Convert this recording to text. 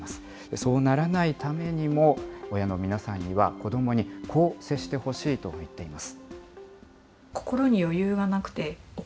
そうならないためにも、親の皆さんには、子どもにこう接してほしいと言っています。